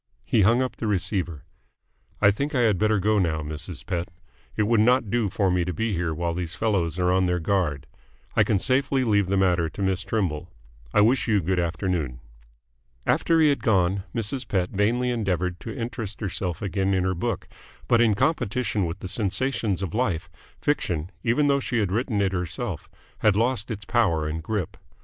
He hung up the receiver. "I think I had better go now, Mrs. Pett. It would not do for me to be here while these fellows are on their guard. I can safely leave the matter to Miss Trimble. I wish you good afternoon." After he had gone, Mrs. Pett vainly endeavoured to interest herself again in her book, but in competition with the sensations of life, fiction, even though she had written it herself, had lost its power and grip.